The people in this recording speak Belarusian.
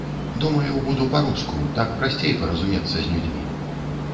Думаю, буду па-руску, так прасцей паразумецца з людзьмі.